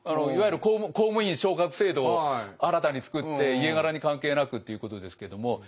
いわゆる公務員昇格制度を新たに作って家柄に関係なくっていうことですけども。